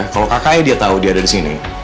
kalau kakaknya dia tau dia ada disini